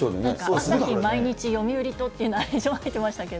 朝日、毎日、読売とってナレーション入ってましたけど。